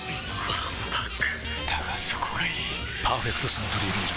わんぱくだがそこがいい「パーフェクトサントリービール糖質ゼロ」